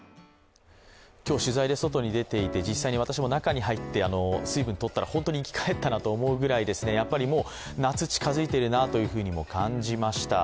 今日、取材で外に出ていて実際に私も中に入って水分とったら、本当に生き返ったなと思うぐらいもう、夏、近付いているなというふうに感じました。